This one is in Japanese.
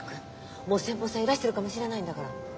もう先方さんいらしてるかもしれないんだから。